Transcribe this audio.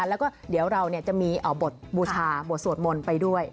แล้วก็เดี๋ยวเราจะมีบทบูชาบทสวดมนต์ไปด้วย